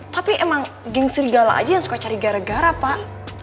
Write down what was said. tapi emang ging serigala aja yang suka cari gara gara pak